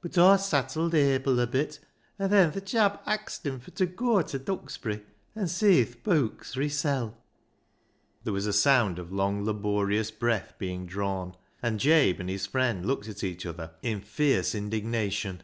But Aw sattled Abil a bit, an' then th' chap axed him fur t' goa ta Duxbury an' see th' beuks fur hissel'." There was a sound of long, laborious breath being drawn, and Jabe and his friend looked at each other in fierce indignation.